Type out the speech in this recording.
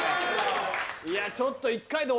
いやちょっと。